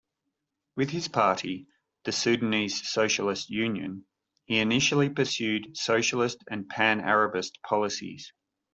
With his party, the Sudanese Socialist Union, he initially pursued socialist and Pan-Arabist policies.